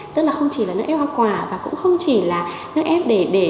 tức là không chỉ là nước ép hoa quả và cũng không chỉ là nước ép để